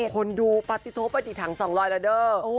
คนดูปาร์ติโทษไปดีทั้ง๒๐๐แล้วเด้อ